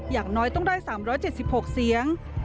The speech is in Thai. อย่างน้อยต้องได้๓๗๖เสียง